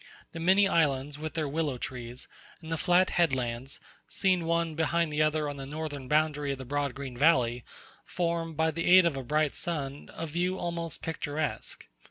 The many islands, with their willow trees, and the flat headlands, seen one behind the other on the northern boundary of the broad green valley, form, by the aid of a bright sun, a view almost picturesque.